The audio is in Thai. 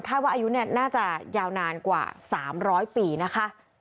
ว่าอายุน่าจะยาวนานกว่า๓๐๐ปีนะคะ